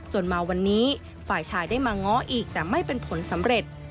มาวันนี้ฝ่ายชายได้มาง้ออีกแต่ไม่เป็นผลสำเร็จ